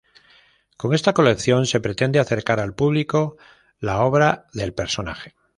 Con esta colección se pretende acercar al público la obra del personaje.